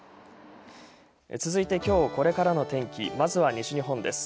続いて今日これからの天気まずは西日本です。